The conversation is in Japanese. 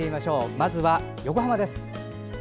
まずは横浜です。